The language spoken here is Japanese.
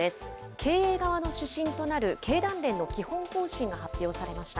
経営側の指針となる経団連の基本方針が発表されました。